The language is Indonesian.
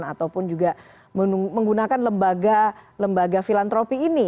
ataupun juga menggunakan lembaga filantropi ini